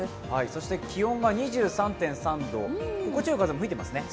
そして気温が２３．３度、心地よい風吹いてますね。